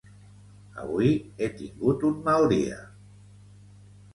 Avui he tingut un mal dia.